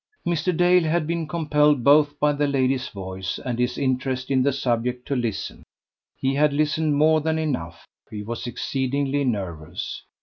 Mr. Dale had been compelled both by the lady's voice and his interest in the subject to listen. He had listened more than enough; he was exceedingly nervous.